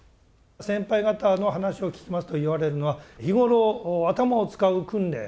先輩方の話を聞きますと言われるのは日頃頭を使う訓練